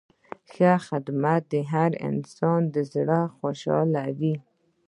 ښه خدمت د هر انسان زړه خوشحالوي.